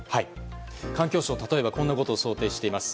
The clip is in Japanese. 環境省はこんなことを想定しています。